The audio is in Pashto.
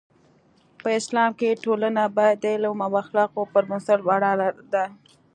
په اسلام کې ټولنه باید د علم او اخلاقو پر بنسټ ولاړه ده.